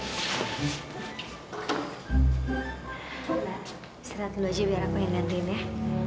nah istilah dulu aja biar aku ingin ngantriin ya